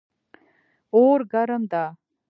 اور ګرم ده